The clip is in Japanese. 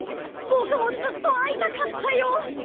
ボクもずっと会いたかったよ。